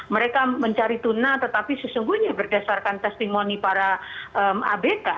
mereka mencari tuna tetapi sesungguhnya berdasarkan testimoni para abk